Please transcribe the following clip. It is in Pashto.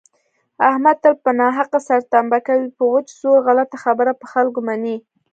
احمد تل په ناحقه سرتنبه کوي په وچ زور غلطه خبره په خلکو مني.